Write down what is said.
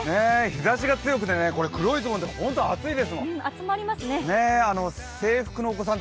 日ざしが強くて、黒いズボンは本当に暑いですもん。